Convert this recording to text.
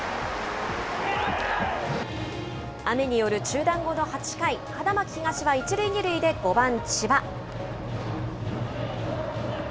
雨による中断後の８回、花巻東は１塁２塁で５番千葉。